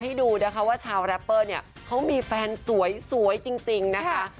ให้ดูนะคะว่าชาวแรปเปอร์เนี่ยเขามีแฟนสวยจริงนะคะ